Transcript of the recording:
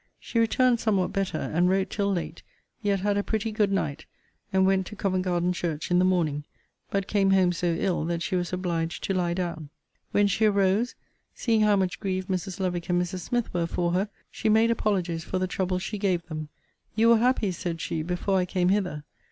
She returned somewhat better; and wrote till late; yet had a pretty good night: and went to Covent garden church in the morning; but came home so ill that she was obliged to lie down. When she arose, seeing how much grieved Mrs. Lovick and Mrs. Smith were for her, she made apologies for the trouble she gave them You were happy, said she, before I came hither.